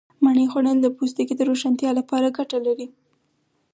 مڼې خوړل د پوستکي د روښانتیا لپاره گټه لري.